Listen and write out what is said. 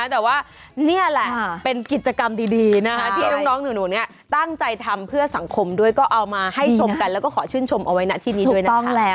แต่ว่านี่แหละเป็นกิจกรรมดีที่น้องหนูตั้งใจทำเพื่อสังคมด้วยก็เอามาให้ชมกันแล้วก็ขอชื่นชมเอาไว้นะที่นี้ด้วยนะ